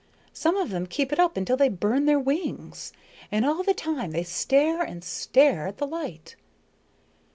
Some of them keep it up until they burn their wings. And all the time they stare and stare at the light."